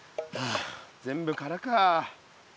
あ全部空か。